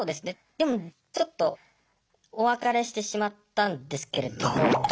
でもちょっとお別れしてしまったんですけれども。